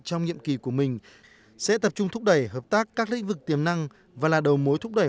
trong nhiệm kỳ của mình sẽ tập trung thúc đẩy hợp tác các lĩnh vực tiềm năng và là đầu mối thúc đẩy